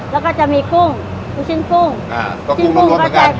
แล้วก็จะมีกุ้งลูกชิ้นกุ้งอ่าก็กุ้งร้วนร้วนเหมือนกัน